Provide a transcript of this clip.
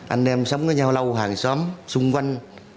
anh em sống với nhau lâu hàng xóm xung quanh